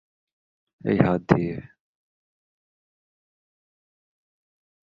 এই হাত নিয়ে!